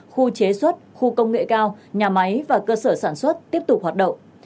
khu chế xuất khu công nghệ cao nhà máy và cơ sở sản xuất tiếp tục hoạt động